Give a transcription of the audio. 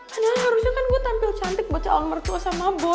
padahal harusnya kan gue tampil cantik buat calon mertua sama boy